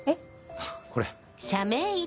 あっこれ。